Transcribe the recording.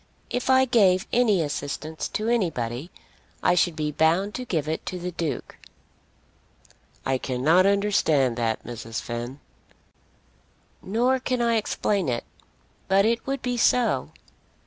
If I gave any assistance to anybody I should be bound to give it to the Duke." "I cannot understand that, Mrs. Finn." "Nor can I explain it, but it would be so.